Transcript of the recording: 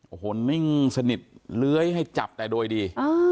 โอ้โหนิ่งสนิทเลื้อยให้จับแต่โดยดี